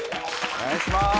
お願いします